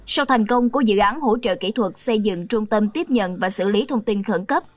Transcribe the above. sau thành công của dự án hỗ trợ kỹ thuật xây dựng trung tâm tiếp nhận và xử lý thông tin khẩn cấp